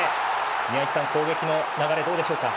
宮市さん、攻撃の流れはどうでしょうか？